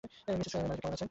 Mrs Malika কেন এসেছিল।